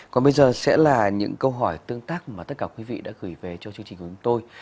còn bây giờ sẽ là những câu hỏi tương tác mà tất cả quý vị đã gửi về cho chương trình của chúng tôi